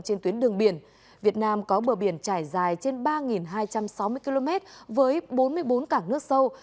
trên tuyến đường biển việt nam có bờ biển trải dài trên ba hai trăm sáu mươi km với bốn mươi bốn cảng nước sâu